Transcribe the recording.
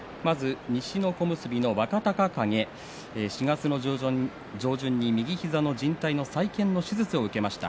西の小結の若隆景、４月の上旬右膝のじん帯の再建手術を受けました。